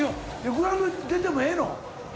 グラウンド出てもええの？